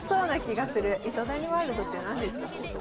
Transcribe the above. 糸谷ワールドって何ですかそもそも。